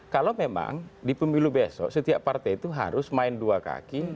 kalau memang di pemilu besok setiap partai itu harus main dua kaki